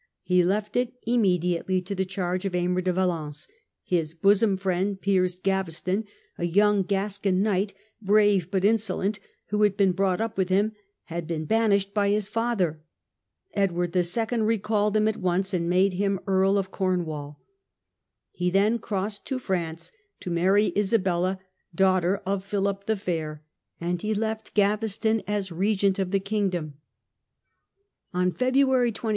He left it immediately to the charge of Aymer de Valence. His bosom friend. Piers Gaveston, a young Gascon knight, brave but insolent, who had been brought up with him, had been banished by his father. Edward II. recalled him at once and made him Earl of Cornwall. He then crossed to France to marry Isabella, daughter of Philip the Fair, and he left Gaveston as regent CM 78) o 98 BARONAGE AND KING.